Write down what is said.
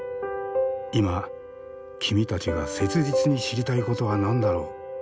今君たちが切実に知りたいことは何だろう？